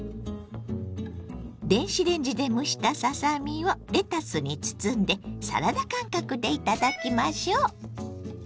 電子レンジで蒸したささ身をレタスに包んでサラダ感覚で頂きましょ。